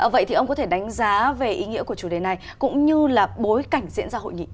vậy thì ông có thể đánh giá về ý nghĩa của chủ đề này cũng như là bối cảnh diễn ra hội nghị